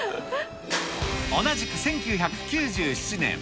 同じく１９９７年。